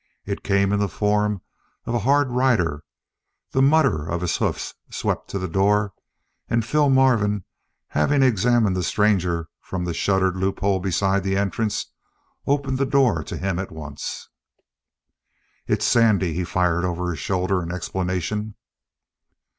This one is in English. It came in the form of a hard rider; the mutter of his hoofs swept to the door, and Phil Marvin, having examined the stranger from the shuttered loophole beside the entrance, opened the door to him at once. "It's Sandy," he fired over his shoulder in explanation.